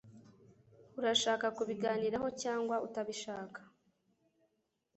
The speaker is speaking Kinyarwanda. Urashaka kubiganiraho cyangwa utabishaka